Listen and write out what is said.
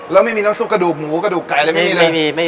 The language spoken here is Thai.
แล้วไม่มีน้ำซุปกระดูกหมูกระดูกไก่อะไรไม่มีเลย